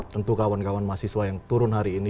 tentu kawan kawan mahasiswa yang turun hari ini